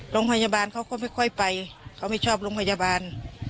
โรงพยาบาลเขาก็ไม่ค่อยไปเขาไม่ชอบโรงพยาบาล